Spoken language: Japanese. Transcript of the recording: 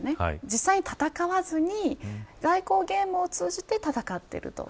実際に、戦わずに、外交ゲームを通じて戦っていると。